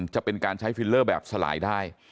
จะเป็นการใช้ฟิลเลอร์แบบสลายได้